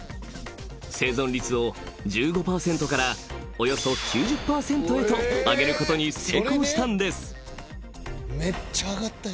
［生存率を１５％からおよそ９０％へと上げることに成功したんです］